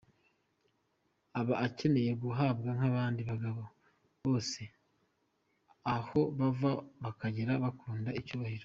Aba akeneye kubahwa nk’abandi bagabo bose aho bava abakagera bakunda icyubahiro.